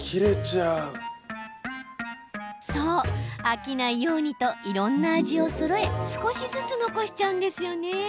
飽きないようにといろんな味をそろえ少しずつ残しちゃうんですよね